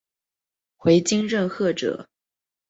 回京任谒者。